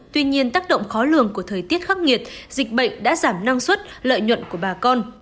tuy nhiên tác động khó lường của thời tiết khắc nghiệt dịch bệnh đã giảm năng suất lợi nhuận của bà con